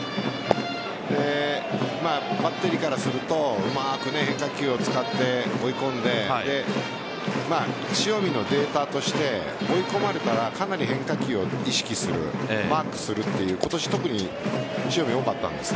バッテリーからするとうまく変化球を使って追い込んで塩見のデータとして追い込まれたらかなり変化球を意識するマークするという今年、特に塩見多かったんです。